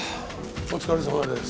お疲れさまです。